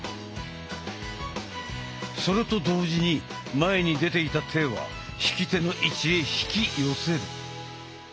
それと同時に前に出ていた手は引き手の位置へ引き寄せる。